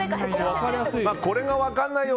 分からないよ！